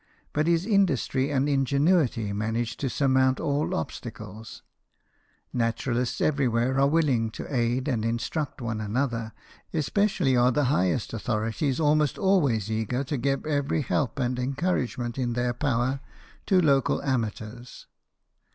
But his industry and in genuity managed to surmount all obstacles. Naturalists everywhere are very willing to aid and instruct one another; especially are the highest authorities almost always eager to give every help and encouragement in their power to ocal amateurs.